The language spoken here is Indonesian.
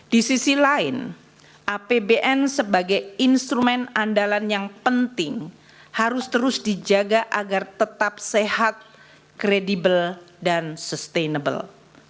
di sisi lain apbn sebagai instrumen andalan yang penting harus terus dijaga agar tetap sehat kredibel dan sustainable